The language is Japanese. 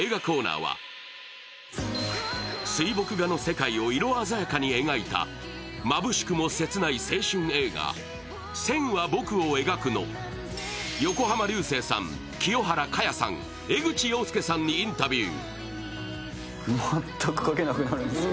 水墨画の世界を色鮮やかに描いたまぶしくも切ない青春映画「線は、僕を描く」の横浜流星さん、清原果耶さん江口洋介さんにインタビュー。